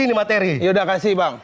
ini materi yaudah kasih bang